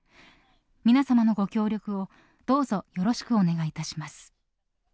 皆様のご協力をどうぞよろしくお願いいたします。